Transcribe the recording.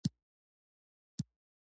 بيا څه وشول؟